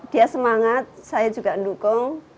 dia semangat saya juga mendukung